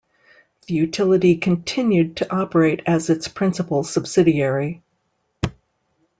The utility continued to operate as its principal subsidiary.